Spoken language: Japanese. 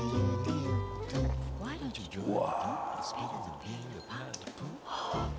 うわ。